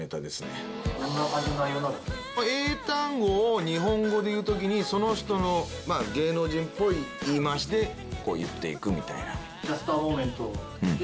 英単語を日本語で言う時にその人のまぁ芸能人っぽい言い回しで言って行くみたいな。